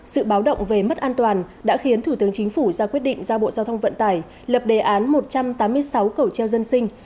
sự báo động về mất an toàn đã khiến thủ tướng chính phủ ra quyết định giao bộ giao thông vận tải lập đề án một trăm tám mươi sáu cầu treo dân sinh